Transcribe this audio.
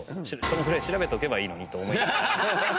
そのぐらい調べとけばいいのにと思いながら。